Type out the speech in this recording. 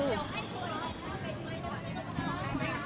มันเป็นปัญหาจัดการอะไรครับ